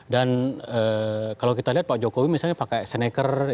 dan kalau kita lihat pak jokowi misalnya pakai sneker